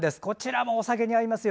こちらもお酒に合いますよ。